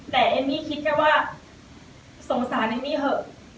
แต่เอมี่คิดแค่ว่าหยุดของเอมี่เหอะ